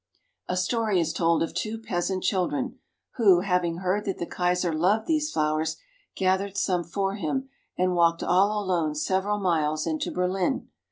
A story is told of two peasant children who, having heard that the Kaiser loved these flowers, gathered some for him, and walked all alone, several miles, into Berlin.